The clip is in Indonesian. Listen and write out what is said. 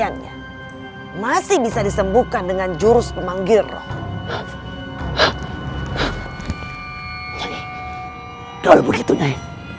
nyai kalau begitu nyai